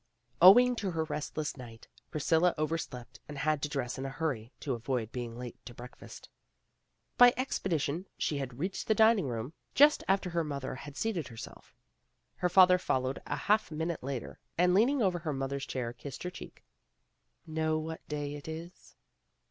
Owing to her restless night, Priscilla over slept and had to dress in a hurry to avoid being late to breakfast. By expedition she reached the dining room just after her mother had PRISCILLA HAS A SECRET 95 seated herself. Her father followed a half minute later, and leaning over her mother's chair kissed her cheek. "Know what day it is?"